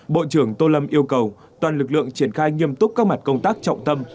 bộ trưởng tô lâm yêu cầu toàn lực lượng triển khai nghiêm túc các mặt công tác trọng tâm